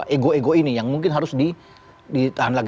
ego ego ini yang mungkin harus ditahan lagi